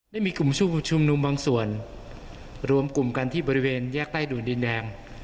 ได้มีกลุ่มผู้ชุมนุมบางส่วนรวมกลุ่มกันที่บริเวณแยกใต้ด่วนดินแดง